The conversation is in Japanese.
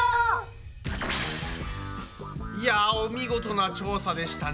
いやお見事な調査でしたね！